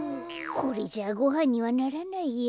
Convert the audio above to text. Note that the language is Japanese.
これじゃごはんにはならないや。